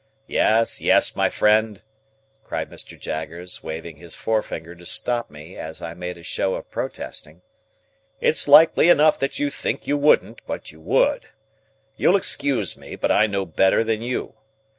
Yes, yes, my friend," cried Mr. Jaggers, waving his forefinger to stop me as I made a show of protesting: "it's likely enough that you think you wouldn't, but you would. You'll excuse me, but I know better than you.